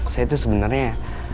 saya tuh sebenernya